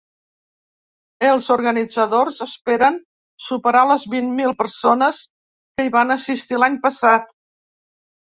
Els organitzadors esperen superar les vint mil persones que hi van assistir l’any passat.